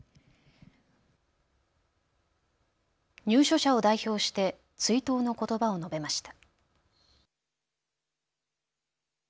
入所者を代表して追悼のことばを述べました。